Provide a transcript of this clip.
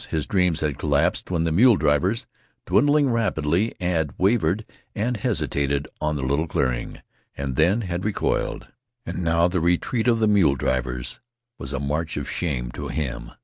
His dreams had collapsed when the mule drivers, dwindling rapidly, had wavered and hesitated on the little clearing, and then had recoiled. And now the retreat of the mule drivers was a march of shame to him.